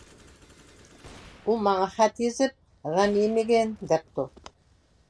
-ئۇ ماڭا خەت يېزىپ، غەم يېمىگىن، دەپتۇ!